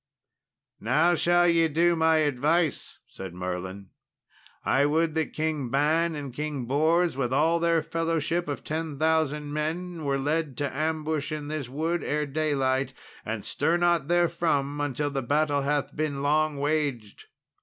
"Now shall ye do my advice," said Merlin; "I would that King Ban and King Bors, with all their fellowship of 10,000 men, were led to ambush in this wood ere daylight, and stir not therefrom until the battle hath been long waged.